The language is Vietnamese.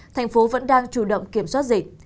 thành phố vẫn đang chủ động kiểm soát dịch